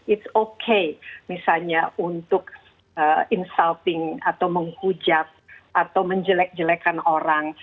it's okay misalnya untuk insulting atau menghujat atau menjelek jelekkan orang